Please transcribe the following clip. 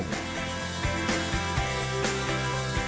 dan juga memiliki jumlah penduduk lebih banyak